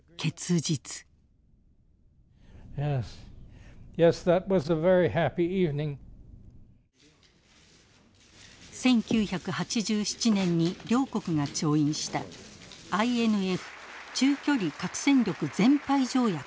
１９８７年に両国が調印したＩＮＦ中距離核戦力全廃条約です。